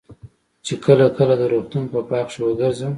چې کله کله د روغتون په باغ کښې وګرځم.